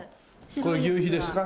これ求肥ですか？